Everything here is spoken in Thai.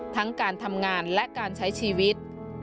ทั้งการทำงานและการใช้ชีวิต